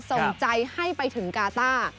ส่งใจให้ไปถึงกาต้า